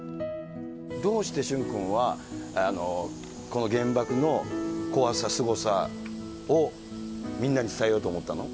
どうして駿君は、この原爆の怖さ、すごさをみんなに伝えようと思ったの？